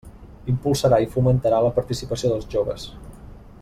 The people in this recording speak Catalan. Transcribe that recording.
Impulsarà i fomentarà la participació dels joves.